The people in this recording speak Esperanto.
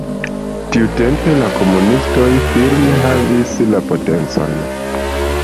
Tiutempe la komunistoj firme havis la potencon.